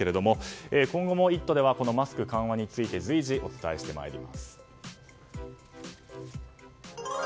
今後も「イット！」ではマスク緩和について随時、お伝えしてまいります。